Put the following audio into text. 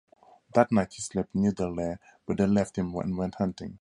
That night he slept near their lair, but they left him and went hunting.